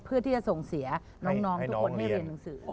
เพื่อที่จะส่งเสียน้องทุกคนให้เรียนหนังสือ